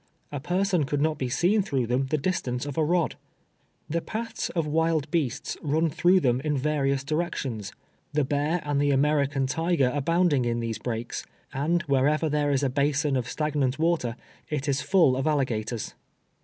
A pei son could not be seen through them the distance of a rod. The paths of wild beasts run through them in various directions ■— the bear and the American tiger abounding in these brakes, and wherever there is a basin of stagnant wa ter, it is full of alligators.